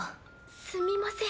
すみません。